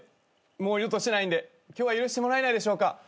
もう二度としないんで今日は許してもらえないでしょうか？